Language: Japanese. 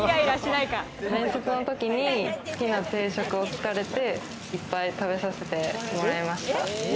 面接のときに好きな定食を聞かれて、いっぱい食べさせてもらいました。